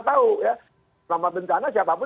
tahu ya selamat bencana siapapun